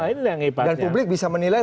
ini yang hebatnya dan publik bisa menilai